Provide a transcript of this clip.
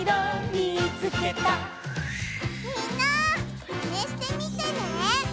みんなマネしてみてね！